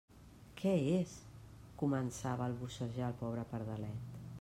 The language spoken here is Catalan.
Què és? —començà a balbucejar el pobre pardalet.